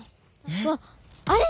わっあれ？